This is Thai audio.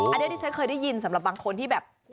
อันนี้ที่ฉันเคยได้ยินสำหรับบางคนที่แบบ